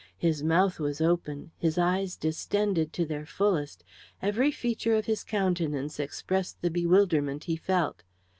His mouth was open, his eyes distended to their fullest; every feature of his countenance expressed the bewilderment he felt.